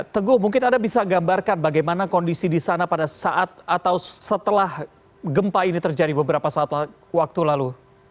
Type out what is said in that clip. teguh mungkin anda bisa gambarkan bagaimana kondisi di sana pada saat atau setelah gempa ini terjadi beberapa saat waktu lalu